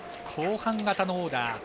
後半型のオーダー。